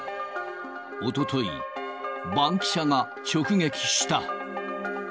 おととい、バンキシャが直撃した。